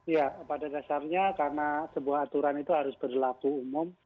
ya pada dasarnya karena sebuah aturan itu harus berlaku umum